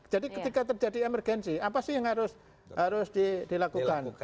jadi ketika terjadi emergensi apa sih yang harus dilakukan